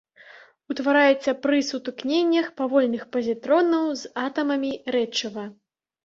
Утвараецца пры сутыкненнях павольных пазітронаў з атамамі рэчыва.